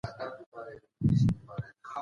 موږ کولای سو چي خپله ټولنه په خپله جوړه کړو.